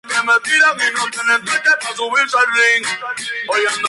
Sus ojos son grandes y color marrón oscuro.